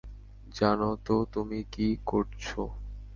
জানো তো তুমি কি করছো।